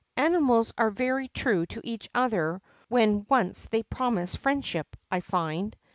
Animals are very true to each other when once they promise friendship, I find.